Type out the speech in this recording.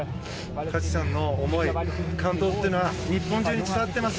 勝木さんの思い完歩というのは日本中に伝わっています。